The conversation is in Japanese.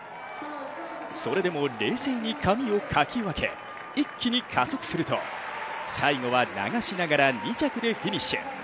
それでも冷静に髪をかき分け、一気に加速すると最後は流しながら２着でフィニッシュ。